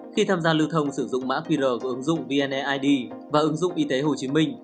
khi tham gia lưu thông sử dụng mã qr của ứng dụng vneid và ứng dụng y tế hồ chí minh